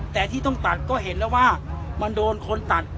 แต่ที่ต้องตัดก็เห็นแล้วว่ามันโดนคนตัด